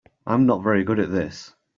I'm not very good at this.